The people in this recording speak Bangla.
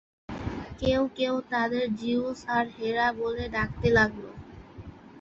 কেউ কেউ তাদের জিউস আর হেরা বলে ডাকতে লাগল।